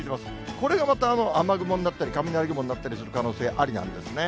これがまた、雨雲になったり、雷雲になったりする可能性ありなんですね。